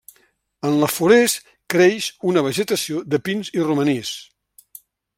En la forest creix una vegetació de pins i romanís.